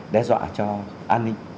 đe dọa cho an ninh